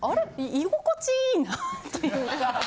居心地いいなっていうか。